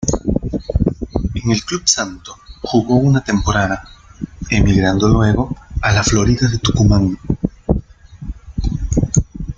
En el club "Santo" jugó una temporada, emigrando luego a La Florida de Tucumán.